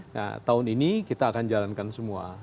nah tahun ini kita akan jalankan semua